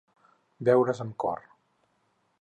Veure's amb cor.